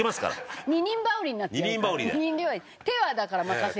手はだから任せる。